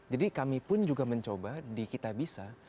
kami pun juga mencoba di kitabisa